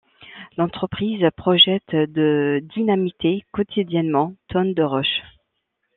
L'entreprise projette de dynamiter quotidiennement tonnes de roche.